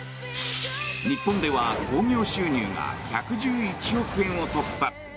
日本では興行収入が１１１億円を突破。